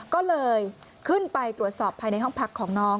ก็เลยขึ้นไปตรวจสอบภายในห้องพักของน้อง